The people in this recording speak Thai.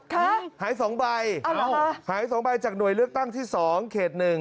ครับหาย๒ใบหาย๒ใบจากหน่วยเลือกตั้งที่๒เขต๑